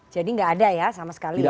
jadi nggak ada ya sama sekali ya